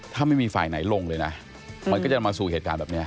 ถ้าไม่มีฝ่ายไหนลงเลยนะมันก็จะมาสู่เหตุการณ์แบบนี้